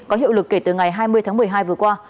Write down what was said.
có hiệu lực kể từ ngày hai mươi tháng một mươi hai vừa qua